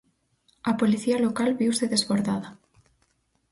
A policía local viuse desbordada.